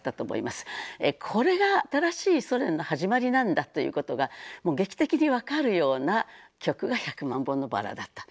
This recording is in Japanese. これが新しいソ連の始まりなんだということが劇的に分かるような曲が「百万本のバラ」だった。